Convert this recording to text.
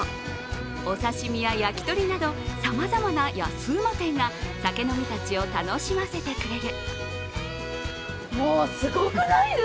お刺身や焼き鳥など、さまざまな安ウマ店が酒飲みたちを楽しませてくれる。